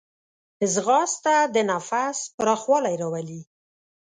ځغاسته د نفس پراخوالی راولي